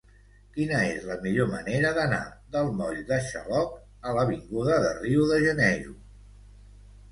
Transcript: Quina és la millor manera d'anar del moll de Xaloc a l'avinguda de Rio de Janeiro?